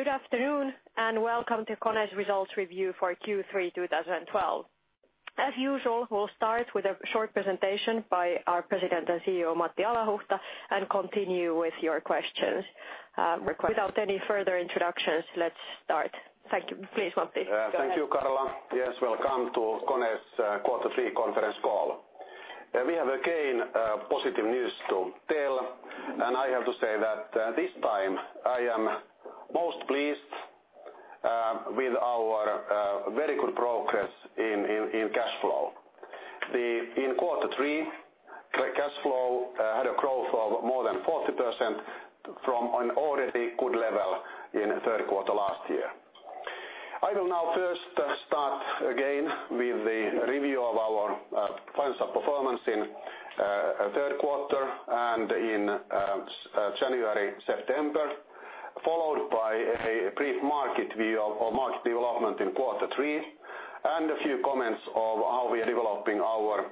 Good afternoon, welcome to KONE's results review for Q3 2012. As usual, we'll start with a short presentation by our President and CEO, Matti Alahuhta, continue with your questions. Without any further introductions, let's start. Thank you. Please, Matti. Go ahead. Thank you, Carla. Yes, welcome to KONE's Quarter 3 conference call. We have again positive news to tell. I have to say that this time, I am most pleased with our very good progress in cash flow. In Quarter 3, cash flow had a growth of more than 40% from an already good level in third quarter last year. I will now first start again with the review of our financial performance in third quarter and in January, September, followed by a brief market view of our market development in Quarter 3, a few comments of how we are developing our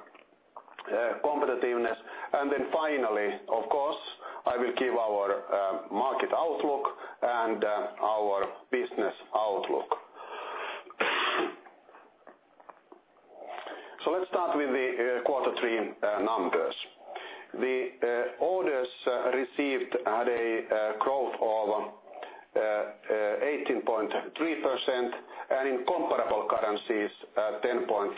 competitiveness. Finally, of course, I will give our market outlook and our business outlook. Let's start with the Quarter 3 numbers. The orders received had a growth of 18.3%, in comparable currencies, 10.5%.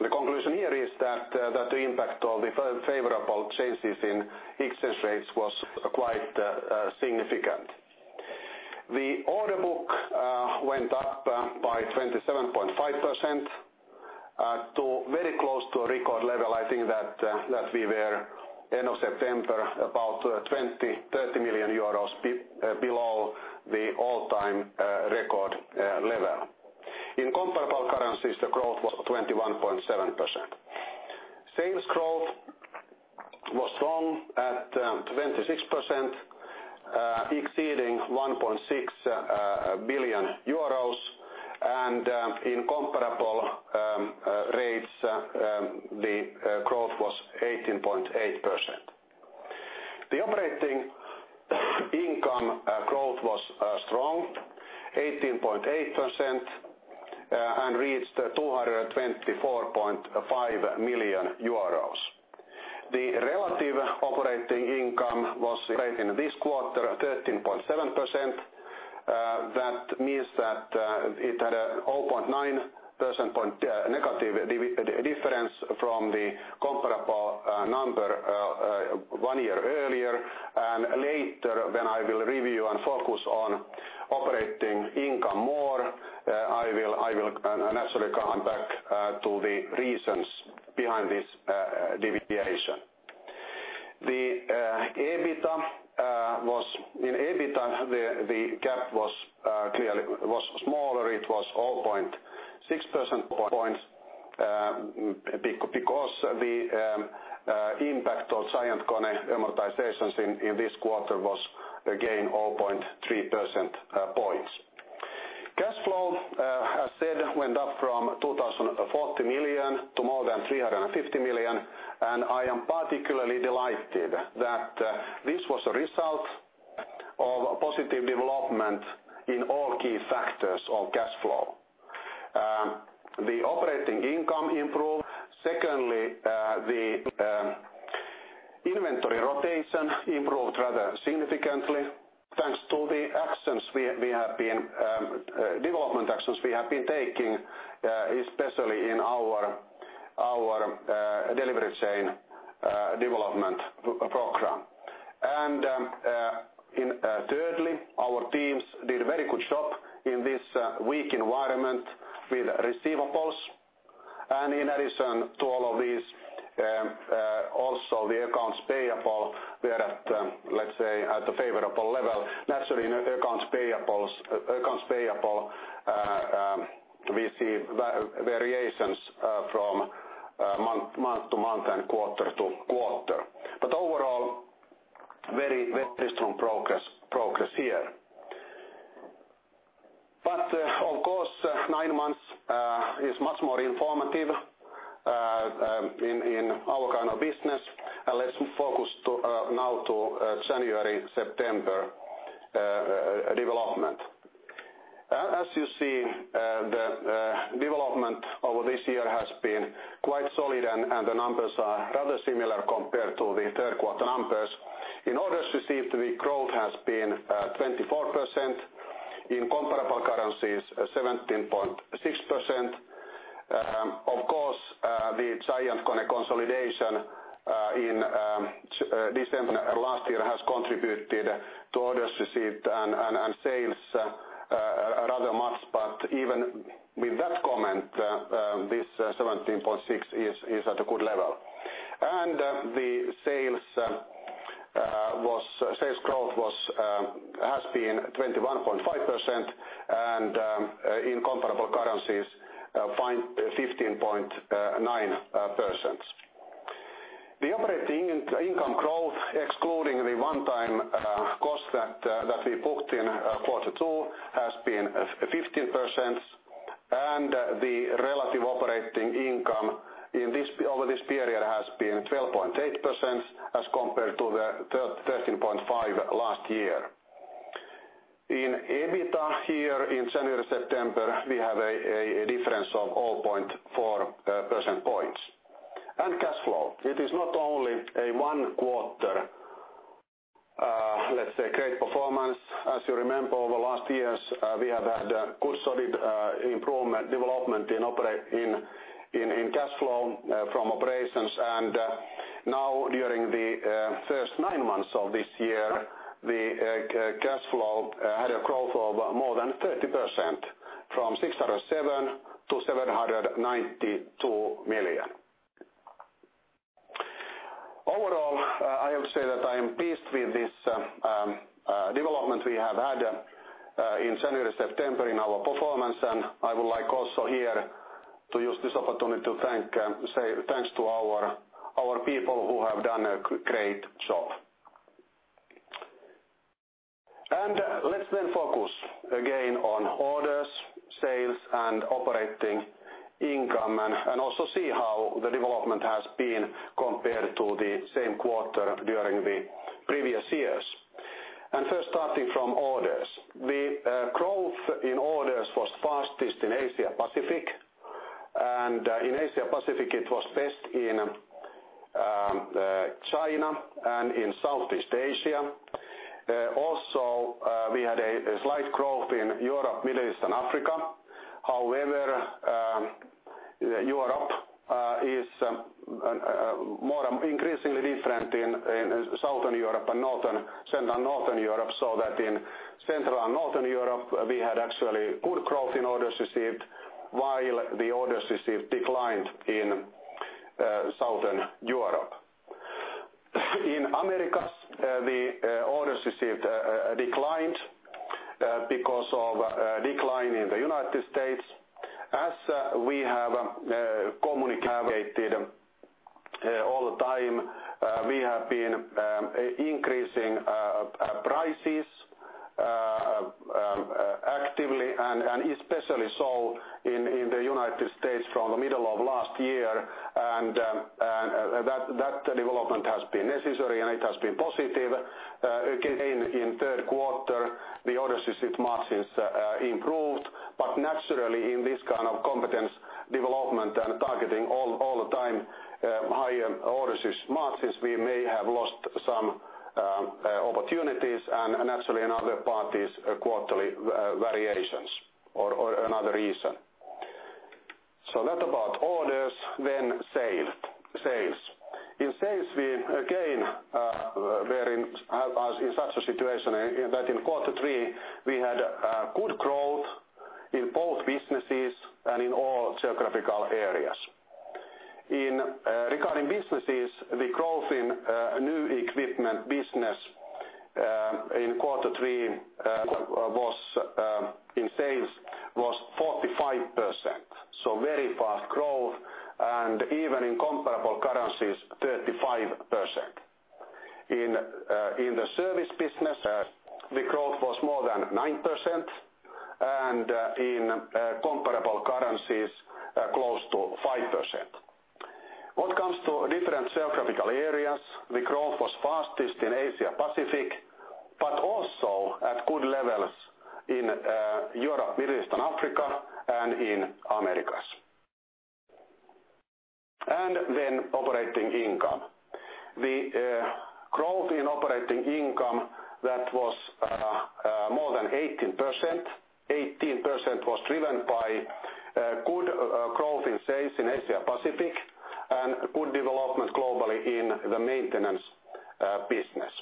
The conclusion here is that the impact of the favorable changes in exchange rates was quite significant. The order book went up by 27.5% to very close to a record level. I think that we were end of September, about 20, 30 million euros below the all-time record level. In comparable currencies, the growth was 21.7%. Sales growth was strong at 26%, exceeding EUR 1.6 billion, in comparable rates, the growth was 18.8%. The operating income growth was strong, 18.8%, reached 224.5 million euros. The relative operating income was great in this quarter, 13.7%. That means that it had a 0.9% point negative difference from the comparable number one year earlier. Later, when I will review and focus on operating income more, I will naturally come back to the reasons behind this deviation. In EBITDA, the gap was smaller. It was 0.6% points, because the impact of GiantKONE amortizations in this quarter was again 0.3% points. Cash flow, as said, went up from 240 million to more than 350 million, I am particularly delighted that this was a result of a positive development in all key factors of cash flow. The operating income improved. Secondly, the inventory rotation improved rather significantly, thanks to the development actions we have been taking, especially in our delivery chain excellence. Thirdly, our teams did a very good job in this weak environment with receivables. In addition to all of these, also the accounts payable, we are at, let's say, at the favorable level. Naturally, in accounts payable we see variations from month to month and quarter to quarter. Overall, very strong progress here. Of course, nine months is much more informative in our kind of business. Let's focus now to January, September development. As you see, the development over this year has been quite solid, and the numbers are rather similar compared to the third quarter numbers. In orders received, the growth has been 24%, in comparable currencies, 17.6%. Of course, the GiantKONE consolidation in December last year has contributed to orders received and sales rather much, but even with that comment, this 17.6% is at a good level. The sales growth has been 21.5%, and in comparable currencies, 15.9%. The operating income growth, excluding the one-time cost that we booked in Q2, has been 15%. The relative operating income over this period has been 12.8% as compared to the 13.5 last year. In EBITDA here in January to September, we have a difference of 0.4%. Cash flow, it is not only a one quarter let's say great performance. As you remember, over last years, we have had a good solid improvement development in cash flow from operations. Now during the first nine months of this year, the cash flow had a growth of more than 30%, from 607 million to 792 million. Overall, I have to say that I am pleased with this development we have had in January to September in our performance, and I would like also here to use this opportunity to say thanks to our people who have done a great job. Let's then focus again on orders, sales, and operating income, and also see how the development has been compared to the same quarter during the previous years. First starting from orders. The growth in orders was fastest in Asia Pacific. In Asia Pacific, it was best in China and in Southeast Asia. Also, we had a slight growth in Europe, Middle East, and Africa. However, Europe is more increasingly different in Southern Europe and Northern Europe, so that in Central and Northern Europe, we had actually good growth in orders received, while the orders received declined in Southern Europe. In Americas, the orders received declined because of a decline in the U.S. As we have communicated all the time, we have been increasing prices actively and especially so in the U.S. from the middle of last year. That development has been necessary, and it has been positive. Again, in the third quarter, the orders received margins improved. Naturally, in this kind of competence development and targeting all the time higher orders margins, we may have lost some opportunities and naturally in other parties' quarterly variations or another reason. That about orders, then sales. In sales, we again were in such a situation that in Q3 we had good growth in both businesses and in all geographical areas. Regarding businesses, the growth in New Equipment business in Q3 in sales was 45%, so very fast growth, and even in comparable currencies, 35%. In the Service business, the growth was more than 9%, and in comparable currencies close to 5%. What comes to different geographical areas, the growth was fastest in Asia Pacific, but also at good levels in Europe, Middle East, and Africa, and in Americas. Then operating income. The growth in operating income that was more than 18% was driven by good growth in sales in Asia Pacific and good development globally in the Maintenance business.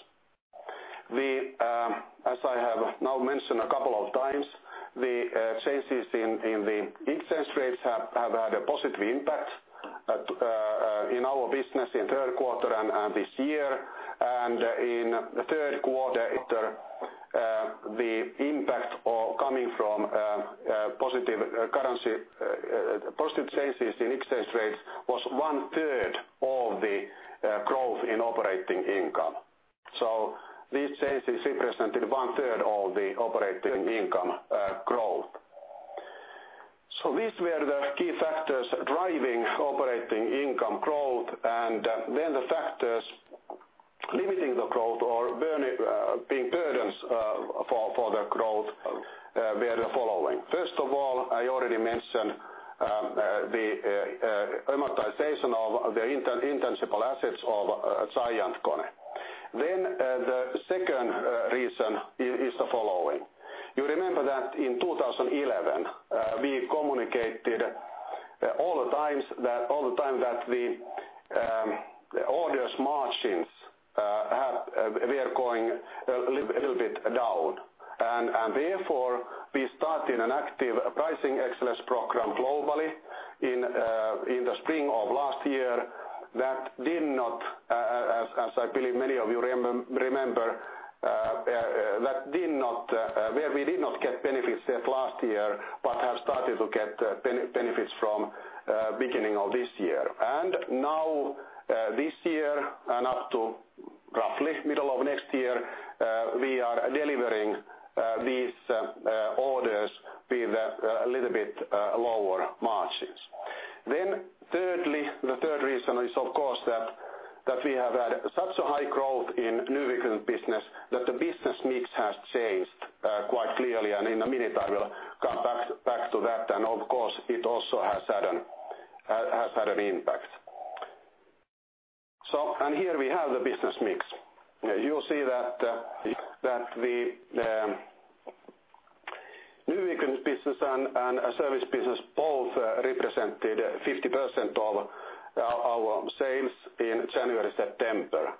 As I have now mentioned a couple of times, the changes in the exchange rates have had a positive impact in our business in the third quarter and this year. In the third quarter, the impact coming from positive changes in exchange rates was one-third of the growth in operating income. These changes represented one-third of the operating income growth. These were the key factors driving operating income growth, the factors limiting the growth or being burdens for the growth were the following. First of all, I already mentioned the amortization of the intangible assets of GiantKONE. The second reason is the following. You remember that in 2011, we communicated all the time that the orders margins were going a little bit down. Therefore, we started an active Pricing Excellence Program globally in the spring of last year that did not, as I believe many of you remember, where we did not get benefits yet last year, but have started to get benefits from the beginning of this year. Now this year and up to Roughly middle of next year, we are delivering these orders with a little bit lower margins. Thirdly, the third reason is, of course, that we have had such a high growth in New Equipment business that the business mix has changed quite clearly and in a minute I will come back to that. Of course, it also has had an impact. Here we have the business mix. You'll see that the New Equipment business and service business both represented 50% of our sales in January, September.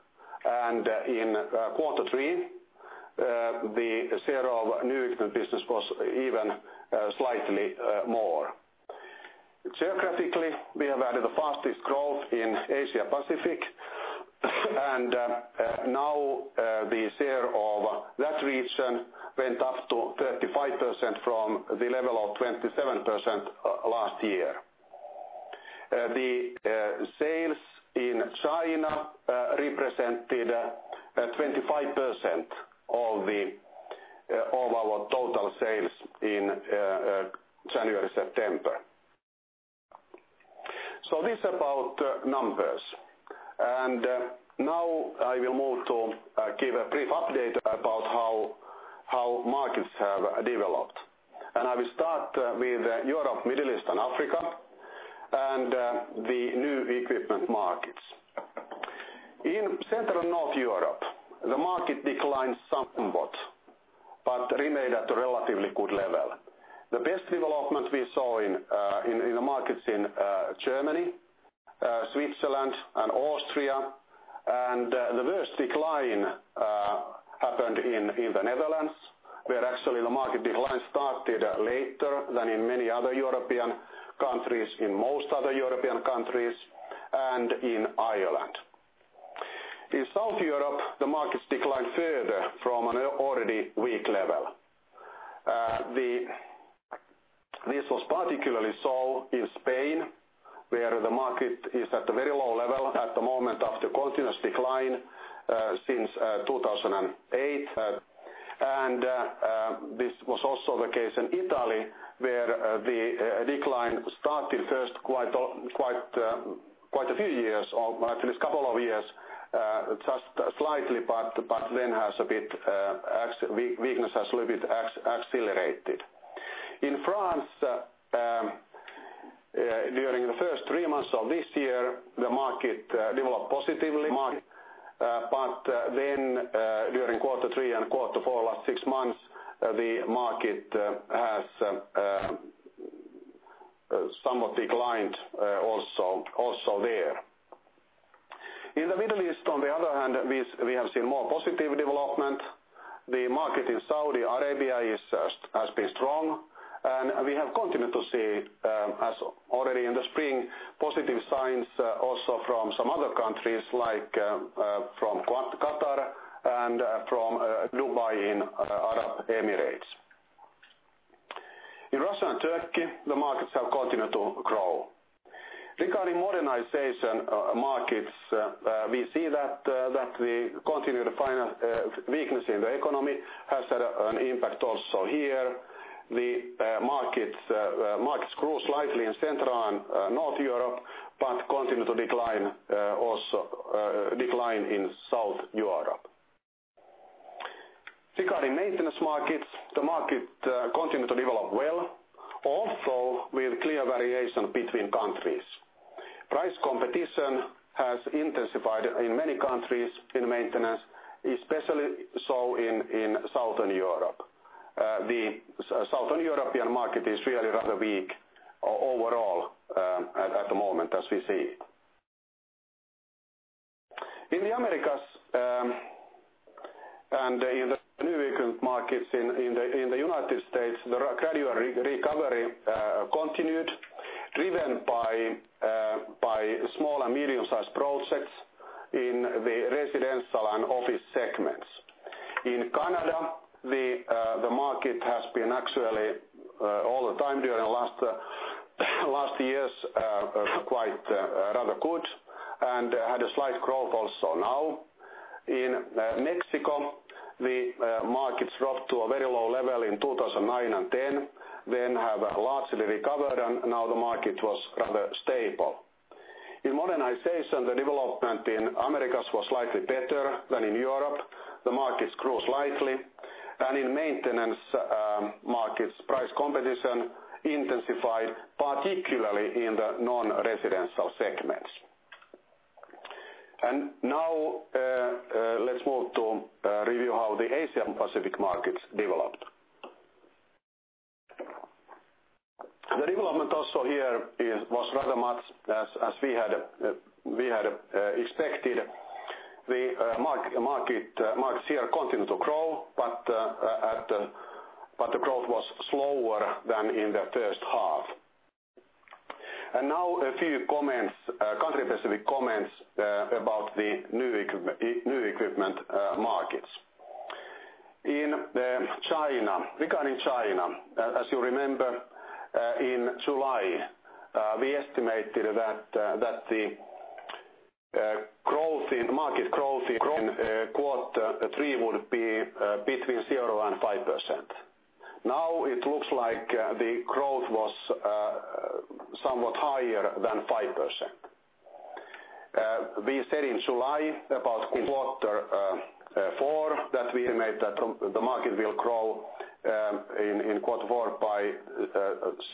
In quarter three, the share of New Equipment business was even slightly more. Geographically, we have had the fastest growth in Asia Pacific. Now the share of that region went up to 35% from the level of 27% last year. The sales in China represented 25% of our total sales in January, September. This about numbers. Now I will move to give a brief update about how markets have developed. I will start with Europe, Middle East, and Africa, and the New Equipment markets. In Central and North Europe, the market declined somewhat, but remained at a relatively good level. The best development we saw in the markets in Germany, Switzerland, and Austria, and the worst decline happened in the Netherlands, where actually the market decline started later than in many other European countries, in most other European countries, and in Ireland. In South Europe, the markets declined further from an already weak level. This was particularly so in Spain, where the market is at a very low level at the moment of the continuous decline since 2008. This was also the case in Italy, where the decline started first quite a few years, or at least a couple of years, just slightly, weakness has a little bit accelerated. In France, during the first three months of this year, the market developed positively. During quarter three and quarter four, last six months, the market has somewhat declined also there. In the Middle East, on the other hand, we have seen more positive development. The market in Saudi Arabia has been strong. We have continued to see, as already in the spring, positive signs also from some other countries, like from Qatar and from Dubai in Arab Emirates. In Russia and Turkey, the markets have continued to grow. Regarding modernization markets, we see that the continued weakness in the economy has had an impact also here. The markets grew slightly in Central and North Europe, but continued to decline in South Europe. Regarding maintenance markets, the market continued to develop well, although with clear variation between countries. Price competition has intensified in many countries in maintenance, especially so in Southern Europe. The Southern European market is really rather weak overall at the moment as we see it. In the Americas, and in the new equipment markets in the United States, the gradual recovery continued, driven by small and medium-sized projects in the residential and office segments. In Canada, the market has been actually all the time during the last years quite rather good and had a slight growth also now. In Mexico, the markets dropped to a very low level in 2009 and 2010, then have largely recovered, and now the market was rather stable. In modernization, the development in Americas was slightly better than in Europe. The markets grew slightly. In maintenance markets, price competition intensified, particularly in the non-residential segments. Now let's move to review how the Asia Pacific markets developed. The development also here was rather much as we had expected. The markets here continued to grow, but the growth was slower than in the first half. Now a few country-specific comments about the new equipment markets. In China, regarding China, as you remember, in July, we estimated that the market growth in quarter three would be between 0% and 5%. It looks like the growth was somewhat higher than 5%. We said in July about quarter four that we estimate that the market will grow in quarter four by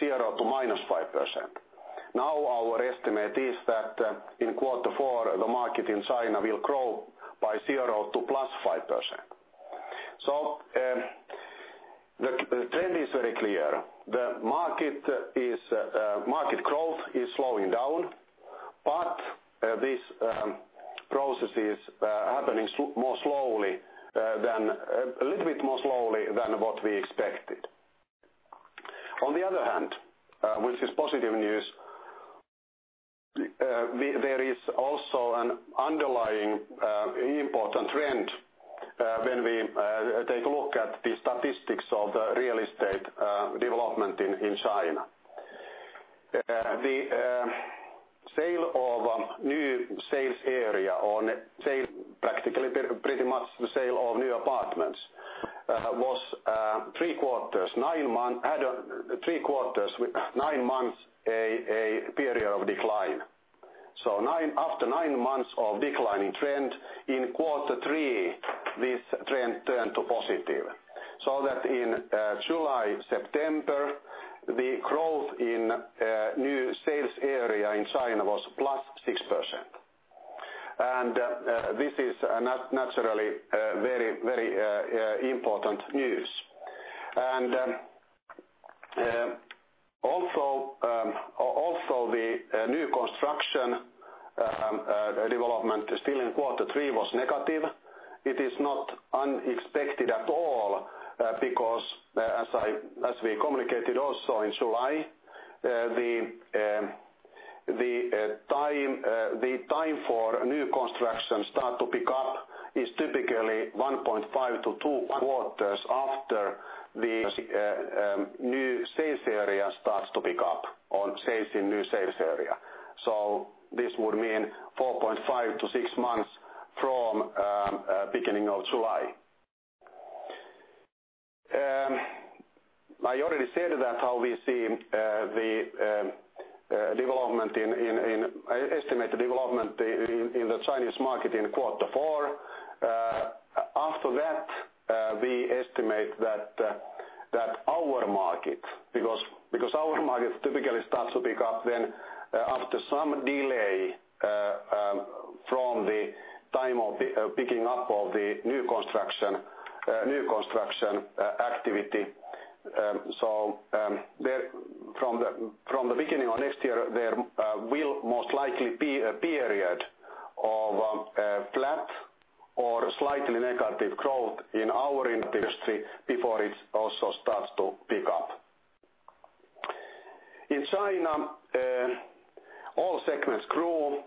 0% to -5%. Our estimate is that in quarter four, the market in China will grow by 0% to +5%. The trend is very clear. The market growth is slowing down, but this process is happening a little bit more slowly than what we expected. On the other hand, which is positive news, there is also an underlying important trend when we take a look at the statistics of the real estate development in China. The sale of new sales area on sale, practically pretty much the sale of new apartments, had three quarters, nine months, a period of decline. After nine months of declining trend, in quarter three, this trend turned to positive. That in July, September, the growth in new sales area in China was +6%. This is naturally very important news. Also, the new construction development still in quarter three was negative. It is not unexpected at all because as we communicated also in July, the time for new construction start to pick up is typically 1.5 to two quarters after the new sales area starts to pick up on sales in new sales area. This would mean 4.5 to six months from beginning of July. I already said that how we see the estimated development in the Chinese market in quarter four. After that, we estimate that our market, because our market typically starts to pick up then after some delay from the time of picking up of the new construction activity. From the beginning of next year, there will most likely be a period of flat or slightly negative growth in our industry before it also starts to pick up. In China, all segments grew,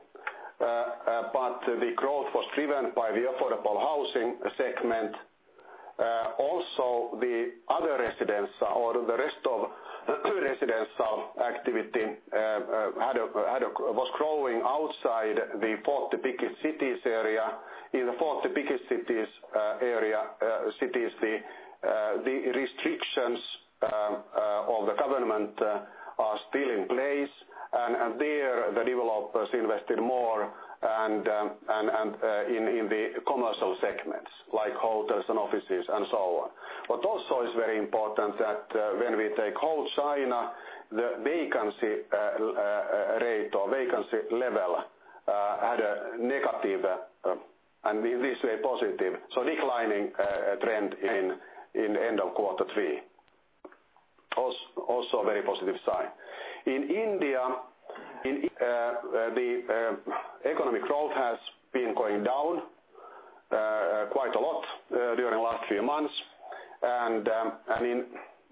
but the growth was driven by the affordable housing segment. Also, the other residential or the rest of residential activity was growing outside the 40 biggest cities area. In the 40 biggest cities, the restrictions of the government are still in place, and there the developers invested more in the commercial segments like hotels and offices and so on. What also is very important that when we take all China, the vacancy rate or vacancy level had a negative, and this way positive, so declining trend in end of quarter three. Also a very positive sign. In India, the economic growth has been going down quite a lot during the last few months.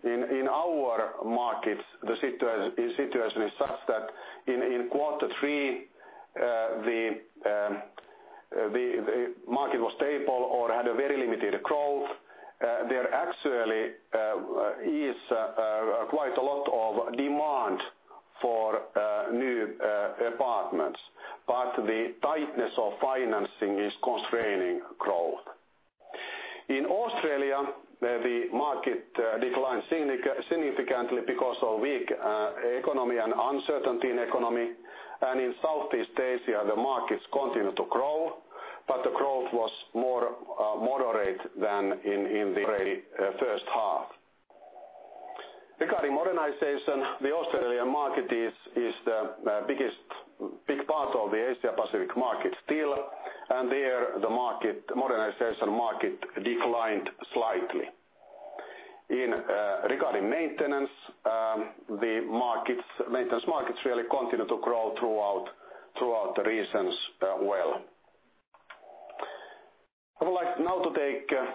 In our markets, the situation is such that in quarter three, the market was stable or had a very limited growth. There actually is quite a lot of demand for new apartments, but the tightness of financing is constraining growth. In Australia, the market declined significantly because of weak economy and uncertainty in economy. In Southeast Asia, the markets continued to grow, but the growth was more moderate than in the first half. Regarding modernization, the Australian market is the big part of the Asia Pacific market still, and there, the modernization market declined slightly. Regarding maintenance, the maintenance markets really continued to grow throughout the regions well. I would like now to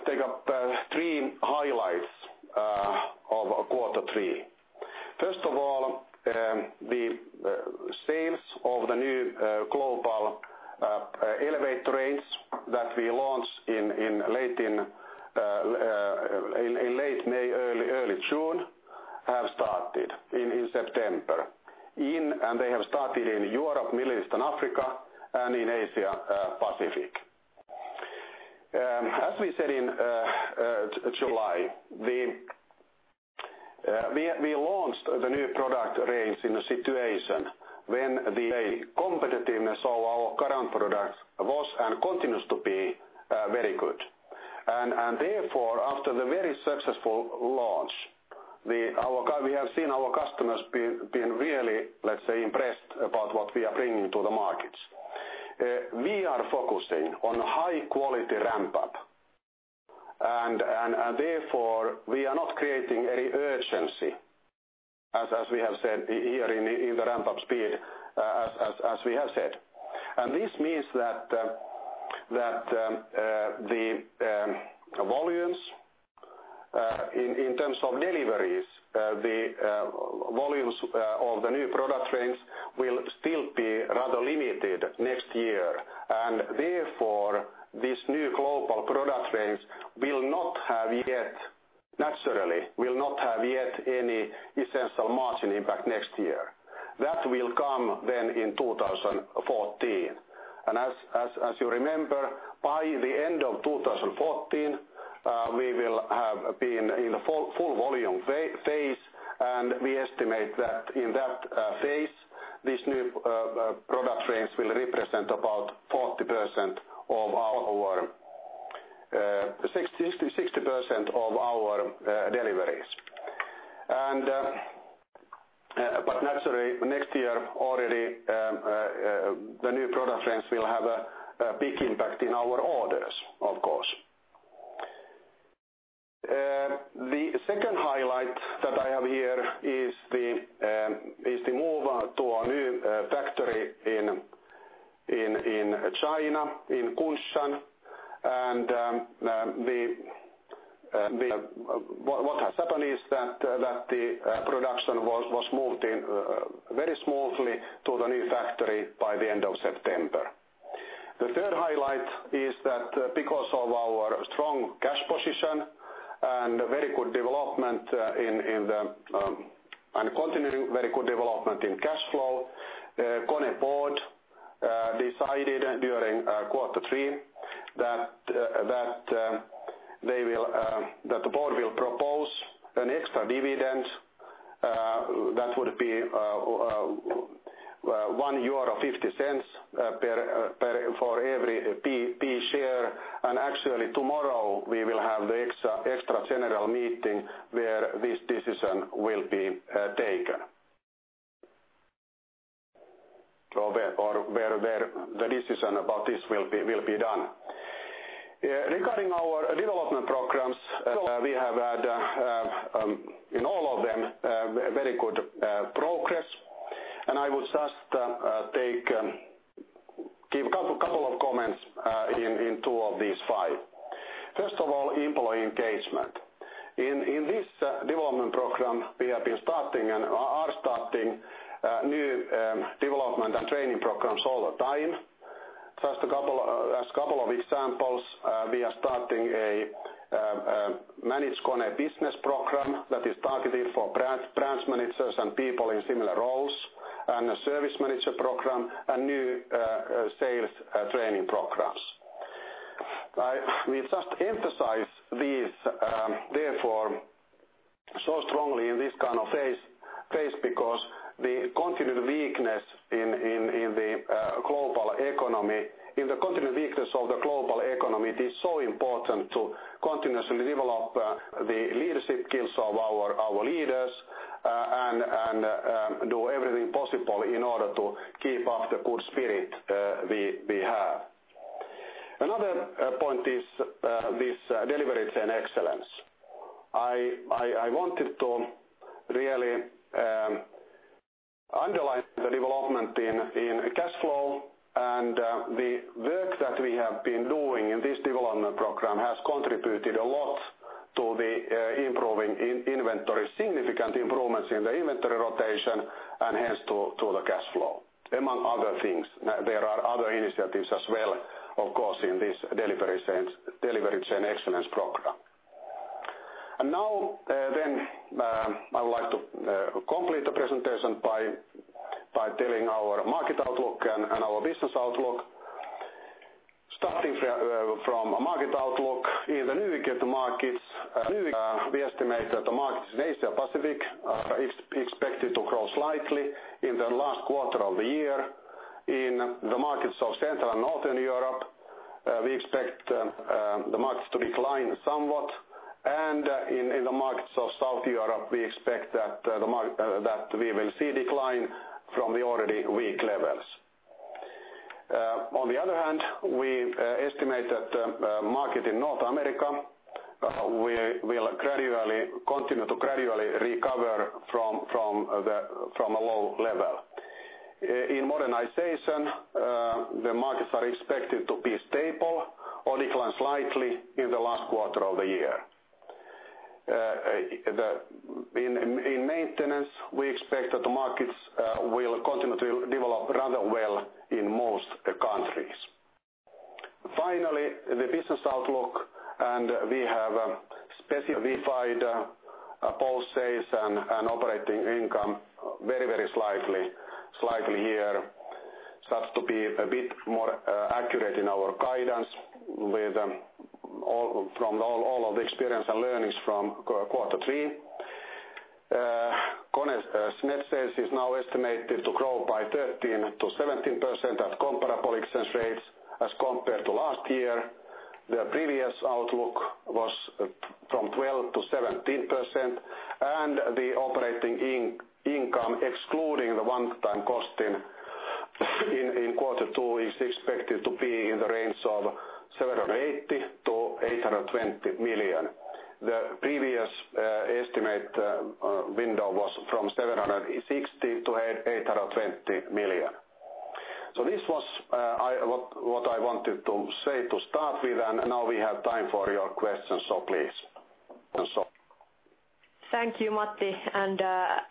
take up three highlights of quarter three. The sales of the new global elevator range that we launched in late May, early June, have started in September. They have started in Europe, Middle East, and Africa and in Asia Pacific. As we said in July, we launched the new product range in a situation when the competitiveness of our current product was and continues to be very good. Therefore, after the very successful launch, we have seen our customers being really, let's say, impressed about what we are bringing to the markets. We are focusing on high quality ramp-up, therefore we are not creating any urgency, as we have said here in the ramp-up speed. This means that the volumes in terms of deliveries the volumes of the new product range will still be rather limited next year. Therefore this new global product range, naturally, will not have yet any essential margin impact next year. That will come then in 2014. As you remember, by the end of 2014, we will have been in the full volume phase and we estimate that in that phase, this new product range will represent about 60% of our deliveries. Naturally next year already, the new product range will have a big impact in our orders, of course. The second highlight that I have here is the move to a new factory in China in Kunshan. What has happened is that the production was moved very smoothly to the new factory by the end of September. The third highlight is that because of our strong cash position and very good development and continuing very good development in cash flow, KONE board decided during quarter three that the board will propose an extra dividend that would be 1.50 euro for every B share. Actually tomorrow we will have the extra general meeting where this decision will be taken. Or where the decision about this will be done. Regarding our development programs, we have had in all of them very good progress. I would just give couple of comments in two of these five. First of all, employee engagement. In this development program, we have been starting and are starting new development and training programs all the time. Just a couple of examples. We are starting a Manage KONE Business program that is targeted for branch managers and people in similar roles and a service manager program and new sales training programs. We just emphasize these, therefore, so strongly in this kind of phase because the continued weakness in the global economy. In the continued weakness of the global economy, it is so important to continuously develop the leadership skills of our leaders and do everything possible in order to keep up the good spirit we have. Another point is this delivery chain excellence. I wanted to really underline the development in cash flow and the work that we have been doing in this development program has contributed a lot to the improving inventory, significant improvements in the inventory rotation, and hence to the cash flow, among other things. There are other initiatives as well, of course, in this delivery chain excellence program. I would like to complete the presentation by telling our market outlook and our business outlook. Starting from market outlook. In the new equipment market, we estimate that the markets in Asia Pacific are expected to grow slightly in the last quarter of the year. In the markets of Central and Northern Europe, we expect the market to decline somewhat. In the markets of South Europe, we expect that we will see a decline from the already weak levels. On the other hand, we estimate that market in North America will continue to gradually recover from a low level. In modernization, the markets are expected to be stable or decline slightly in the last quarter of the year. In maintenance, we expect that the markets will continue to develop rather well in most countries. Finally, the business outlook, and we have specified both sales and operating income very slightly here. It starts to be a bit more accurate in our guidance from all of the experience and learnings from quarter three. KONE's net sales is now estimated to grow by 13%-17% at comparable exchange rates as compared to last year. The previous outlook was from 12%-17%, and the operating income, excluding the one-time costing in quarter two, is expected to be in the range of 780 million-820 million. The previous estimate window was from 760 million-820 million. This was what I wanted to say to start with, and now we have time for your questions, so please. Thank you, Matti.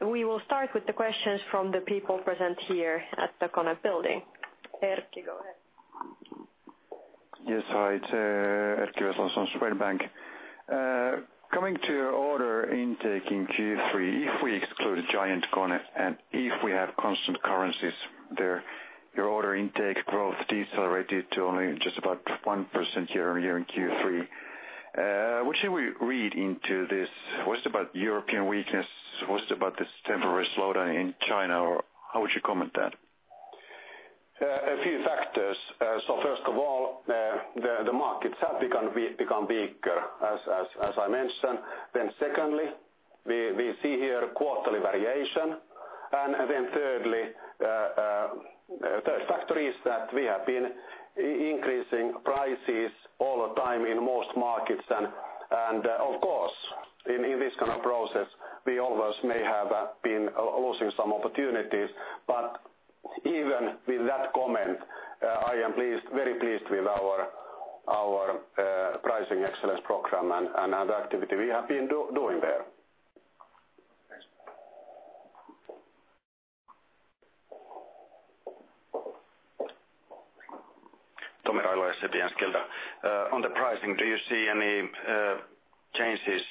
We will start with the questions from the people present here at the KONE building. Erkki, go ahead. Yes. Hi, it's Erkki Vesa from Swedbank. Coming to order intake in Q3, if we exclude GiantKONE and if we have constant currencies there, your order intake growth decelerated to only just about 1% year-over-year in Q3. What should we read into this? Was it about European weakness? Was it about this temporary slowdown in China? How would you comment that? A few factors. First of all, the markets have become bigger, as I mentioned. Secondly, we see here quarterly variation. Third factor is that we have been increasing prices all the time in most markets and, of course, in this kind of process, we always may have been losing some opportunities. Even with that comment, I am very pleased with our pricing excellence program and the activity we have been doing there. Thanks. Tomi Railo from Sampo. On the pricing, do you see any changes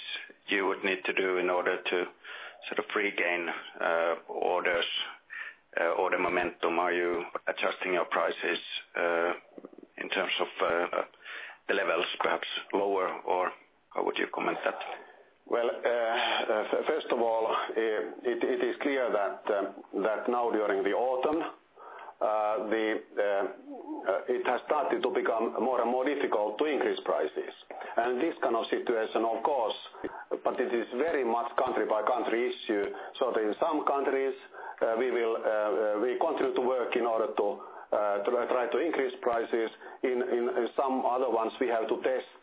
you would need to do in order to regain orders or the momentum? Are you adjusting your prices, in terms of the levels perhaps lower, how would you comment that? Well, first of all, it is clear that now during the autumn, it has started to become more and more difficult to increase prices. This kind of situation, of course, but it is very much country by country issue. In some countries, we continue to work in order to try to increase prices. In some other ones, we have to test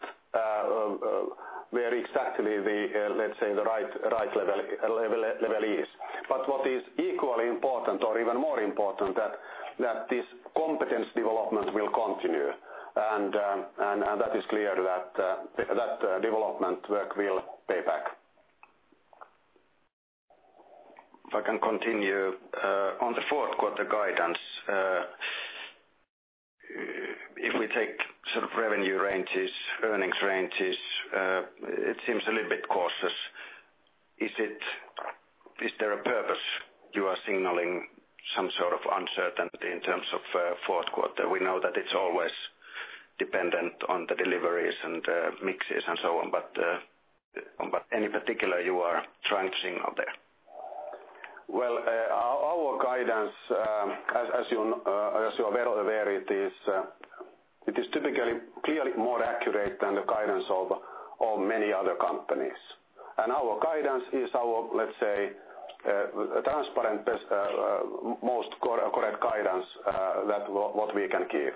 where exactly the, let's say, the right level is. What is equally important or even more important, that this competence development will continue. That is clear that development work will pay back. If I can continue. On the fourth quarter guidance, if we take revenue ranges, earnings ranges it seems a little bit cautious. Is there a purpose you are signaling some sort of uncertainty in terms of fourth quarter? We know that it's always dependent on the deliveries and mixes and so on, any particular you are trying to signal there? Well, our guidance as you are well aware, it is typically clearly more accurate than the guidance of many other companies. Our guidance is our, let's say, transparent, most correct guidance that what we can give.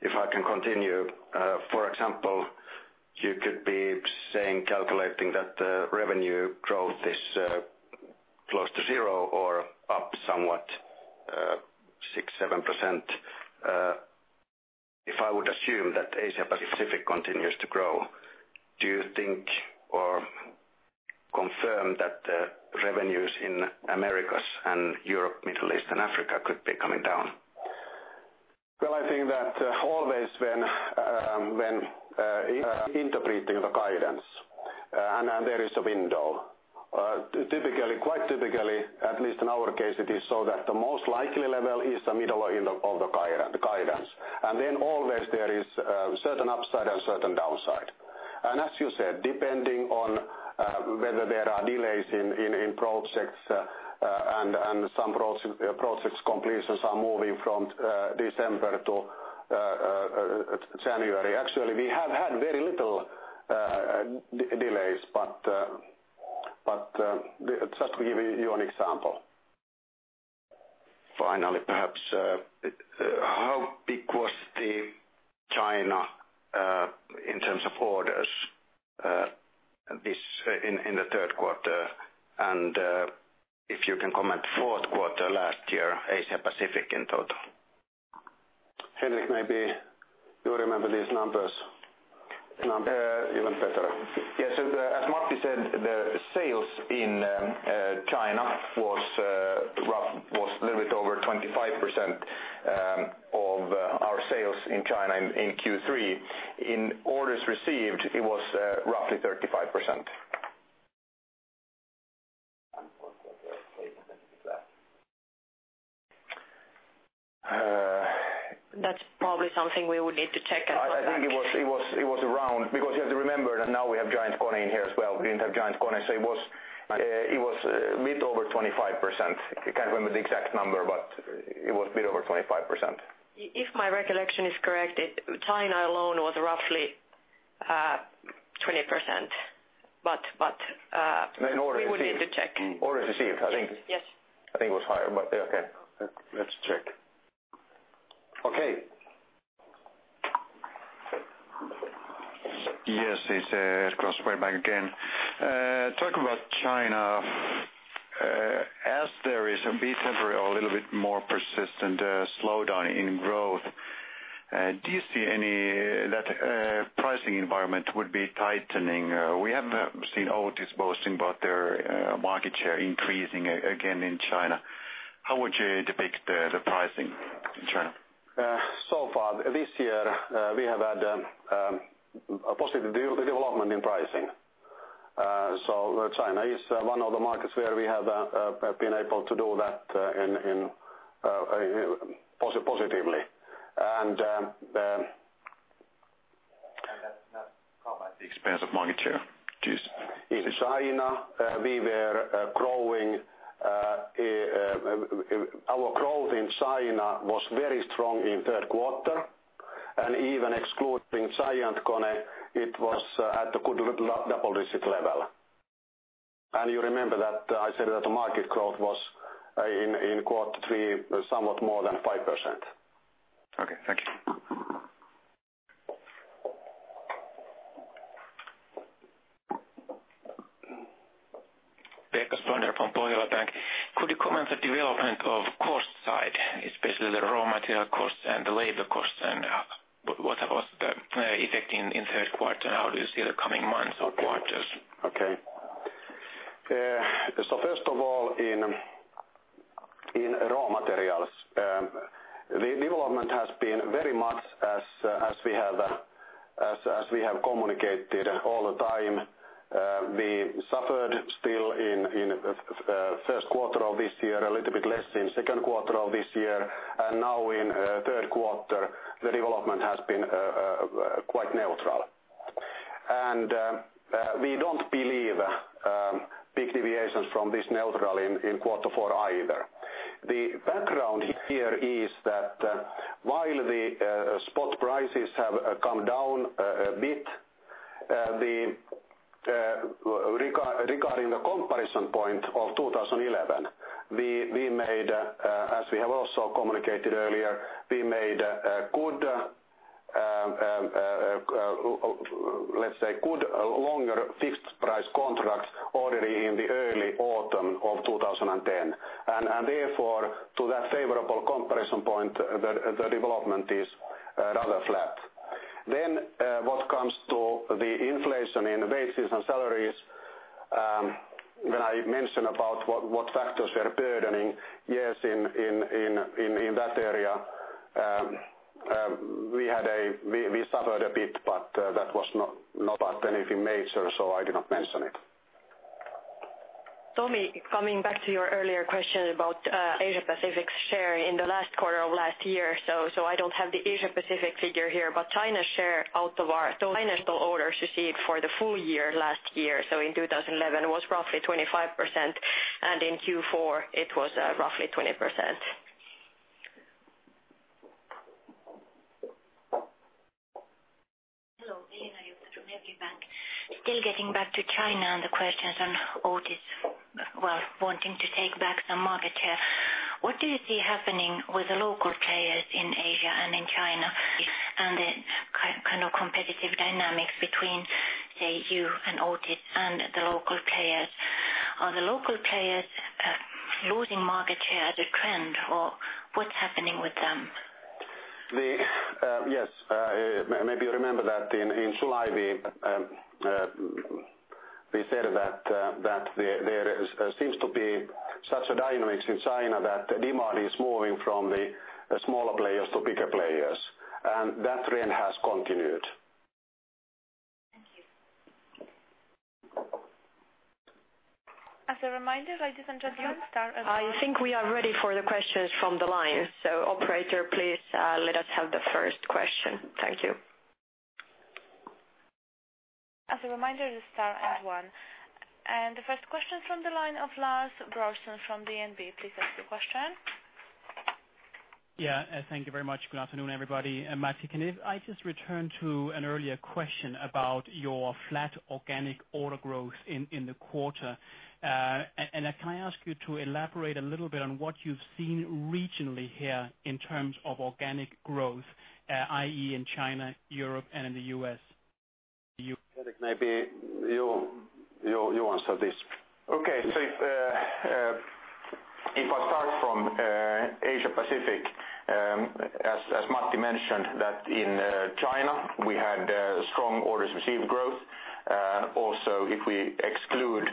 If I can continue. For example, you could be saying calculating that revenue growth is close to zero or up somewhat 6%, 7%. If I would assume that Asia Pacific continues to grow, do you think or confirm that revenues in Americas and Europe, Middle East and Africa could be coming down? Well, I think that always when interpreting the guidance, and there is a window. Quite typically, at least in our case, it is so that the most likely level is the middle of the guidance. Then always there is certain upside and certain downside. As you said, depending on whether there are delays in projects and some projects completions are moving from December to January. Actually, we have had very little delays. Just to give you an example. Finally, perhaps, how big was China in terms of orders in the third quarter? If you can comment fourth quarter last year, Asia-Pacific in total. Henrik, maybe you remember these numbers even better. Yes. As Matti said, the sales in China was a little bit over 25% of our sales in China in Q3. In orders received, it was roughly 35%. What was the statement for that? That's probably something we would need to check. I think it was around, because you have to remember that now we have GiantKONE in here as well. We didn't have GiantKONE, so it was a bit over 25%. I can't remember the exact number, but it was a bit over 25%. If my recollection is correct, China alone was roughly 20%. We would need to check. Orders received. Yes. I think it was higher, okay. Let's check. Okay. Yes, it's Erkki Vesa, Swedbank again. Talking about China, as there is a bit temporary or a little bit more persistent slowdown in growth, do you see any that pricing environment would be tightening? We have seen Otis boasting about their market share increasing again in China. How would you depict the pricing in China? Far this year, we have had a positive development in pricing. China is one of the markets where we have been able to do that positively. That's not come at the expense of market share? In China, our growth in China was very strong in third quarter, even excluding GiantKONE, it was at the good double digit level. You remember that I said that the market growth was in quarter three, somewhat more than 5%. Okay. Thank you. Pekka Spolander from Pohjola Bank. Could you comment the development of cost side, especially the raw material cost and the labor cost? What was the effect in third quarter, and how do you see the coming months or quarters? Okay. First of all, in raw materials the development has been very much as we have communicated all the time. We suffered still in first quarter of this year, a little bit less in second quarter of this year, and now in third quarter, the development has been quite neutral. We don't believe big deviations from this neutral in quarter four either. The background here is that while the spot prices have come down a bit, regarding the comparison point of 2011, as we have also communicated earlier, we made a good longer fixed price contract already in the early autumn of 2010. Therefore, to that favorable comparison point, the development is rather flat. What comes to the inflation in wages and salaries when I mentioned about what factors were burdening, yes, in that area we suffered a bit, but that was not anything major, so I did not mention it. Tomi, coming back to your earlier question about Asia-Pacific's share in the last quarter of last year. I don't have the Asia-Pacific figure here, but China's share out of our total orders received for the full year last year, so in 2011, was roughly 25%, and in Q4 it was roughly 20%. Hello. Elena Thank you very much. Good afternoon, everybody. Matti, can I just return to an earlier question about your flat organic order growth in the quarter? Can I ask you to elaborate a little bit on what you've seen regionally here in terms of organic growth, i.e., in China, Europe, and in the U.S.? Henrik, maybe you answer this. Okay. If I start from Asia Pacific, as Matti mentioned that in China, we had strong orders received growth. Also, if we exclude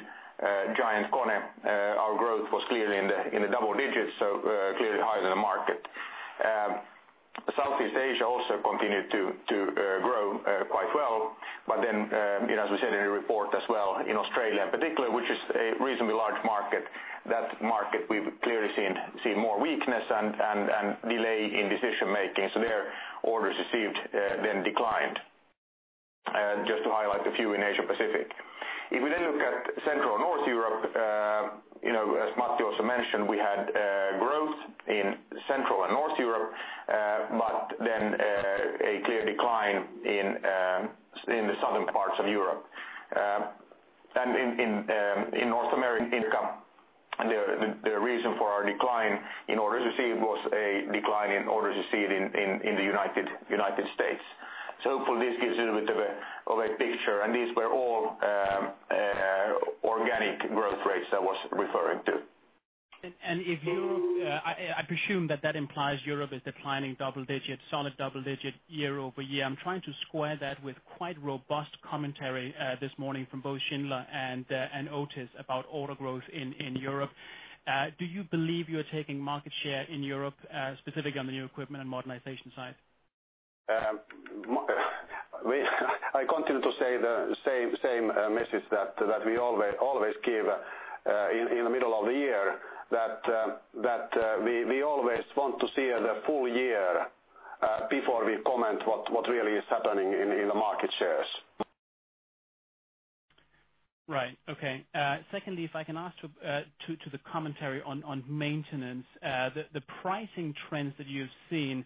GiantKONE, our growth was clearly in the double digits, clearly higher than the market. Southeast Asia also continued to grow quite well. As we said in the report as well, in Australia in particular, which is a reasonably large market, that market we've clearly seen more weakness and delay in decision-making. Their orders received then declined. Just to highlight a few in Asia-Pacific. If we then look at Central or North Europe, as Matti also mentioned, we had growth in Central and North Europe. A clear decline in the southern parts of Europe. In North America, the reason for our decline in orders received was a decline in orders received in the United States. Hopefully this gives you a bit of a picture, and these were all organic growth rates I was referring to. I presume that that implies Europe is declining solid double-digit year-over-year. I'm trying to square that with quite robust commentary this morning from both Schindler and Otis about order growth in Europe. Do you believe you're taking market share in Europe, specifically on the new equipment and modernization side? I continue to say the same message that we always give in the middle of the year, that we always want to see the full year before we comment what really is happening in the market shares. Right. Okay. Secondly, if I can ask to the commentary on maintenance, the pricing trends that you've seen,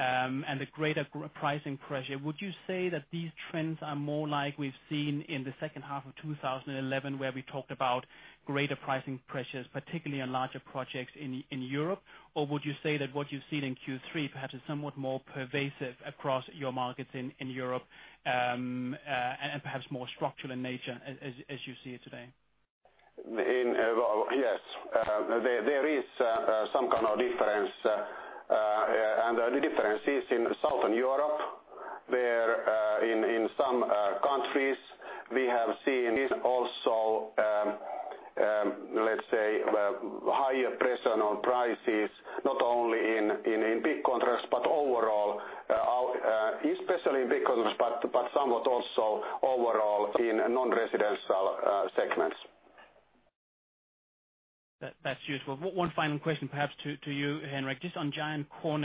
and the greater pricing pressure, would you say that these trends are more like we've seen in the second half of 2011, where we talked about greater pricing pressures, particularly on larger projects in Europe? Or would you say that what you've seen in Q3 perhaps is somewhat more pervasive across your markets in Europe, and perhaps more structural in nature as you see it today? Yes. There is some kind of difference, the difference is in Southern Europe, where in some countries we have seen this also, let's say, higher pressure on prices, not only in big contracts but overall. Especially in big contracts, but somewhat also overall in non-residential segments. That's useful. One final question perhaps to you, Henrik. Just on GiantKONE.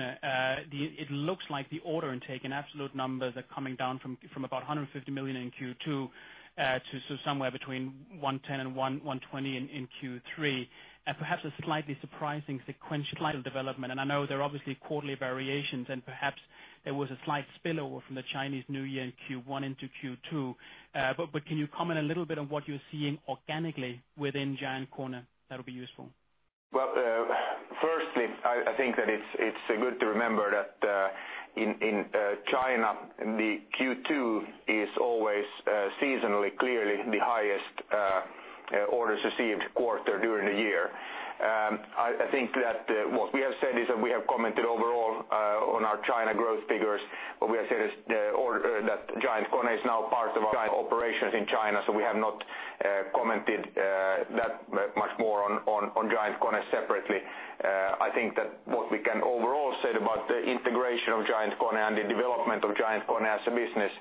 It looks like the order intake and absolute numbers are coming down from about 150 million in Q2 to somewhere between 110 million and 120 million in Q3. Perhaps a slightly surprising sequential development, and I know there are obviously quarterly variations, and perhaps there was a slight spillover from the Chinese New Year in Q1 into Q2. Can you comment a little bit on what you're seeing organically within GiantKONE? That'll be useful. Well, firstly, I think that it's good to remember that in China, the Q2 is always seasonally clearly the highest orders received quarter during the year. I think that what we have said is that we have commented overall on our China growth figures. What we have said is that GiantKONE is now part of our operations in China, so we have not commented that much more on GiantKONE separately. I think that what we can overall say about the integration of GiantKONE and the development of GiantKONE as a business,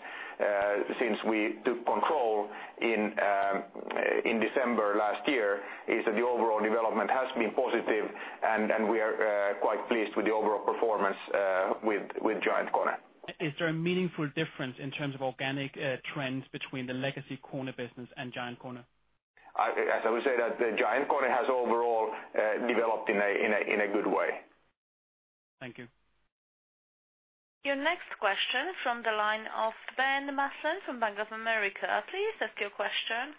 since we took control in December last year, is that the overall development has been positive and we are quite pleased with the overall performance with GiantKONE. Is there a meaningful difference in terms of organic trends between the legacy KONE business and GiantKONE? I would say that GiantKONE has overall developed in a good way. Thank you. Your next question from the line of Ben Maslen from Bank of America. Please ask your question.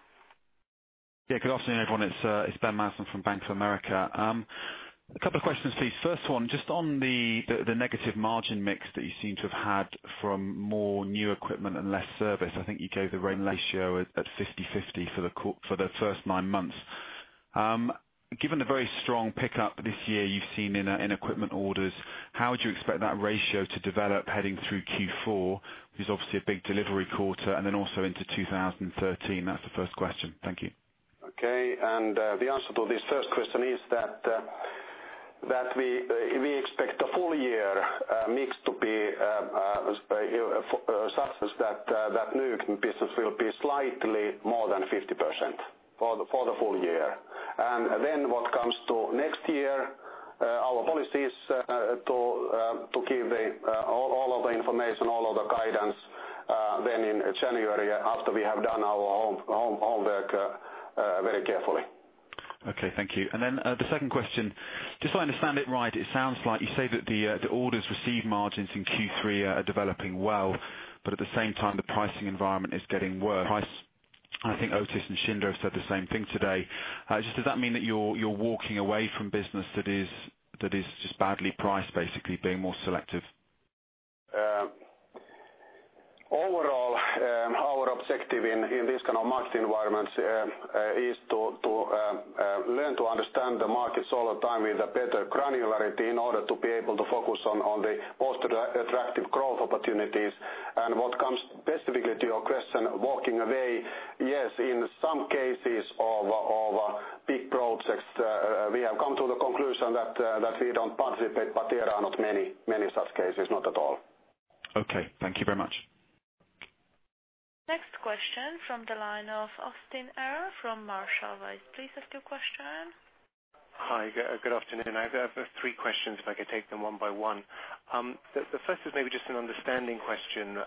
Yeah. Good afternoon, everyone. It's Ben Maslen from Bank of America. A couple of questions, please. First one, just on the negative margin mix that you seem to have had from more new equipment and less service. I think you gave the rate ratio at 50/50 for the first nine months. Given the very strong pickup this year you've seen in equipment orders, how would you expect that ratio to develop heading through Q4? It's obviously a big delivery quarter. Also into 2013. That's the first question. Thank you. Okay. The answer to this first question is that we expect the full year mix to be such that new business will be slightly more than 50% for the full year. What comes to next year, our policy is to inform all of the guidance then in January after we have done our homework very carefully. Okay, thank you. The second question, just so I understand it right, it sounds like you say that the orders received margins in Q3 are developing well, but at the same time the pricing environment is getting worse. I think Otis and Schindler said the same thing today. Does that mean that you're walking away from business that is just badly priced, basically being more selective? Overall, our objective in this kind of market environment is to learn to understand the markets all the time with a better granularity in order to be able to focus on the most attractive growth opportunities. What comes specifically to your question, walking away, yes, in some cases of big projects, we have come to the conclusion that we don't participate, but there are not many such cases. Not at all. Okay. Thank you very much. Next question from the line of Austin Arrow from Marshall Wace. Please ask your question. Hi, good afternoon. I have three questions, if I could take them one by one. The first is maybe just an understanding question.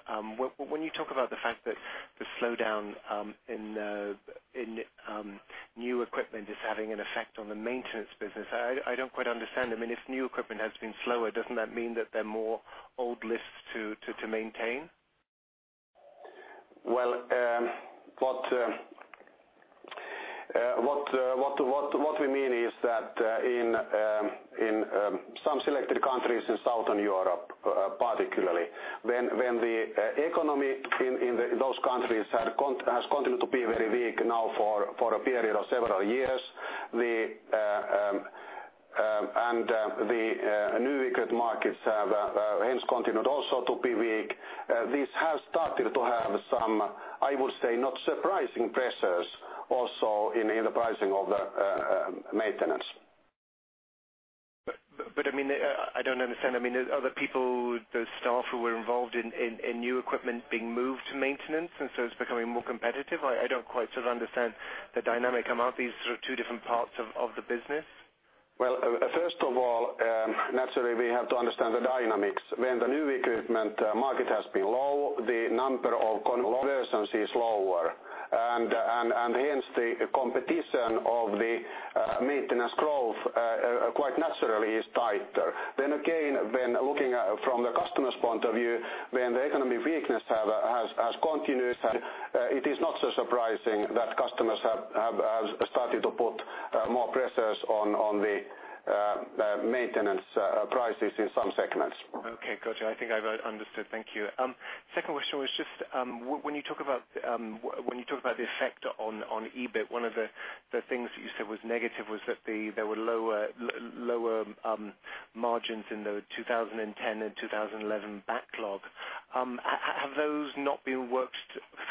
When you talk about the fact that the slowdown in new equipment is having an effect on the maintenance business, I don't quite understand. If new equipment has been slower, doesn't that mean that there are more old lifts to maintain? Well, what we mean is that in some selected countries in Southern Europe, particularly when the economy in those countries has continued to be very weak now for a period of several years, and the new equipment markets have hence continued also to be weak. This has started to have some, I would say, not surprising pressures also in the pricing of the maintenance. I don't understand. Are the people, the staff who were involved in new equipment being moved to maintenance, and so it's becoming more competitive? I don't quite understand the dynamic among these two different parts of the business. Well, first of all, naturally we have to understand the dynamics. When the new equipment market has been low, the number of conversions is lower, and hence the competition of the maintenance growth quite naturally is tighter. When looking from the customer's point of view, when the economy weakness has continued, it is not so surprising that customers have started to put more pressures on the maintenance prices in some segments. Okay, got you. I think I've understood. Thank you. Second question was just when you talk about the effect on EBIT, one of the things you said was negative was that there were lower margins in the 2010 and 2011 backlog. Have those not been worked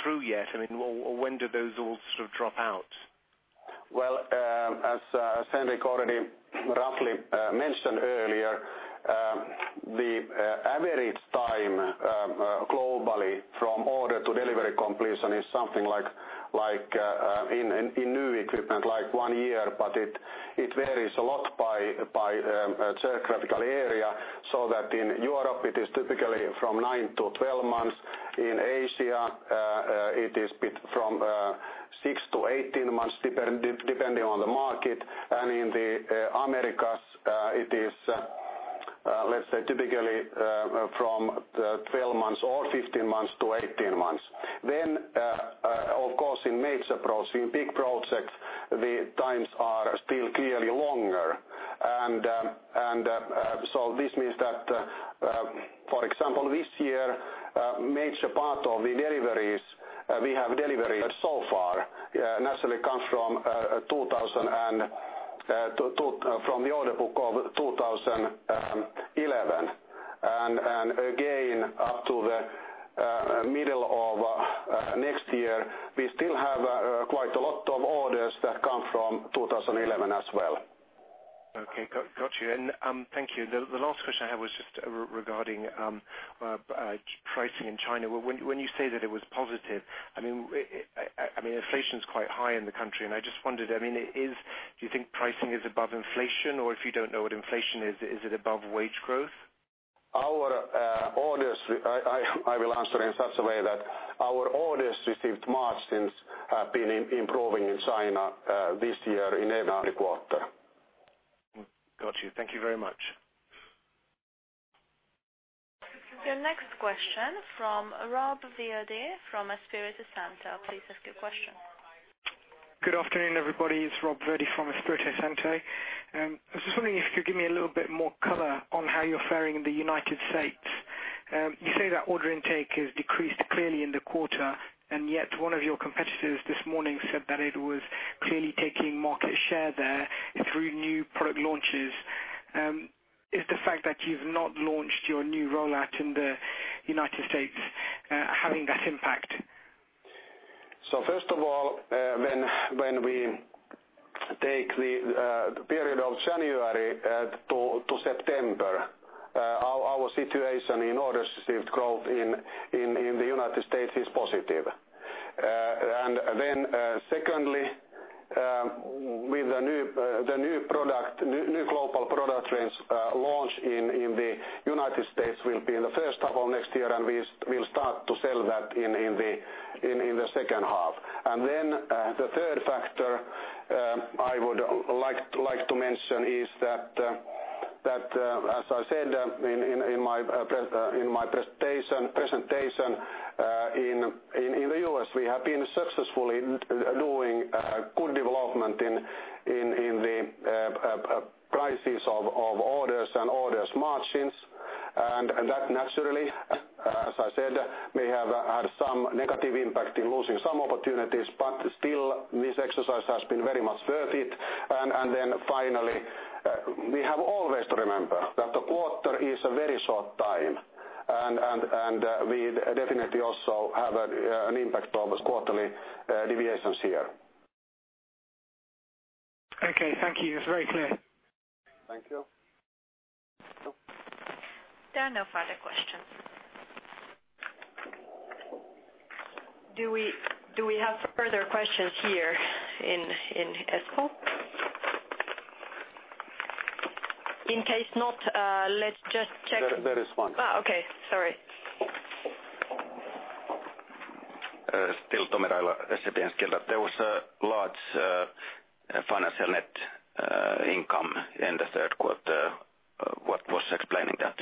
through yet? When do those all sort of drop out? Well, as Henrik already roughly mentioned earlier, the average time globally from order to delivery completion is something like in new equipment like one year. It varies a lot by geographical area, so that in Europe it is typically from nine to 12 months. In Asia, it is from six to 18 months depending on the market. In the Americas it is, let's say typically from 12 months or 15 months to 18 months. Of course in major projects, in big projects, the times are still clearly longer. This means that, for example this year major part of the deliveries we have delivered so far naturally comes from the order book of 2011. Again up to the middle of next year, we still have quite a lot of orders that come from 2011 as well. Okay, got you. Thank you. The last question I have was just regarding pricing in China. When you say that it was positive, inflation is quite high in the country, and I just wondered do you think pricing is above inflation? If you don't know what inflation is it above wage growth? I will answer in such a way that our orders received margins have been improving in China this year in every quarter. Got you. Thank you very much. The next question from José Verde from Espírito Santo. Please ask your question. Good afternoon, everybody. It's José Verde from Espírito Santo. I was just wondering if you could give me a little bit more color on how you're fairing in the U.S. You say that order intake has decreased clearly in the quarter, and yet one of your competitors this morning said that it was clearly taking market share there through new product launches. Is the fact that you've not launched your new rollout in the U.S. having that impact? First of all, when we take the period of January to September, our situation in order to received growth in the U.S. is positive. Secondly, with the new global product range launch in the U.S. will be in the first half of next year, and we'll start to sell that in the second half. The third factor I would like to mention is that, as I said in my presentation, in the U.S., we have been successfully doing good development in the prices of orders and orders margins. That naturally, as I said, may have had some negative impact in losing some opportunities, but still this exercise has been very much worth it. Finally, we have always to remember that the quarter is a very short time and we definitely also have an impact of quarterly deviations here. Okay, thank you. It's very clear. Thank you. There are no further questions. Do we have further questions here in Espoo? In case not, let's just check. There is one. Oh, okay. Sorry. Still Tomi Railo, SEB Enskilda. There was a large financial net income in the third quarter. What was explaining that?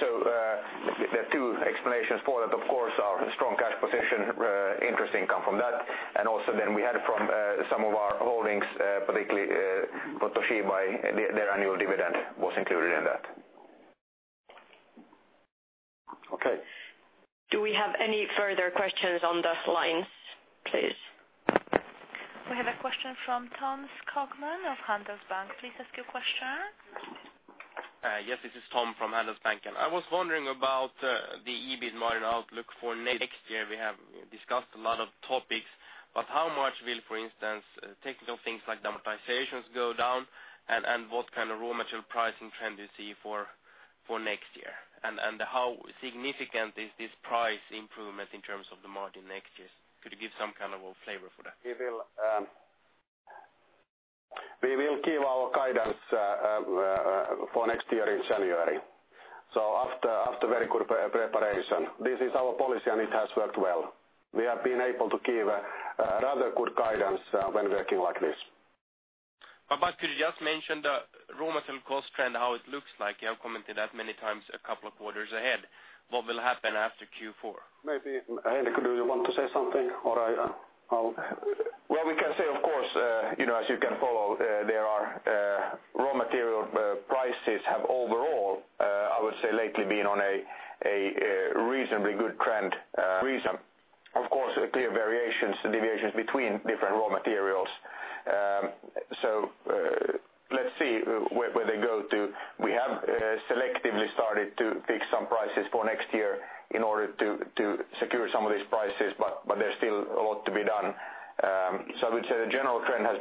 The two explanations for it, of course, are strong cash position, interest income from that, and also then we had from some of our holdings, particularly Toshiba, their annual dividend was included in that. Okay. Do we have any further questions on the lines, please? We have a question from Tom Skogman of Handelsbanken. Please ask your question. Yes, this is Tom from Handelsbanken. I was wondering about the EBIT margin outlook for next year. We have discussed a lot of topics, how much will, for instance, technical things like amortizations go down and what kind of raw material pricing trend you see for next year? How significant is this price improvement in terms of the margin next year? Could you give some kind of a flavor for that? We will give our guidance for next year in January. After very good preparation. This is our policy and it has worked well. We have been able to give rather good guidance when working like this. Could you just mention the raw material cost trend, how it looks like? You have commented that many times a couple of quarters ahead. What will happen after Q4? Maybe, Henrik, could you want to say something or Well, we can say, of course, as you can follow, raw material prices have overall, I would say lately been on a reasonably good trend. Of course, clear variations, deviations between different raw materials. Let's see where they go to. We have selectively started to fix some prices for next year in order to secure some of these prices, but there's still a lot to be done. I would say the general trend has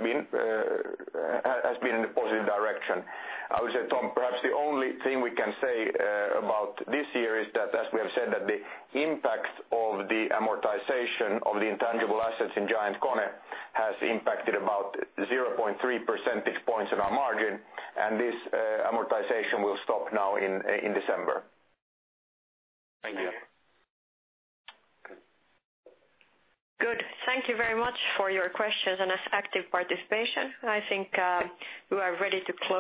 been in a positive direction. I would say, Tom, perhaps the only thing we can say about this year is that as we have said that the impact of the amortization of the intangible assets in GiantKONE has impacted about 0.3 percentage points in our margin, and this amortization will stop now in December. Thank you. Good. Thank you very much for your questions and as active participation. I think we are ready to close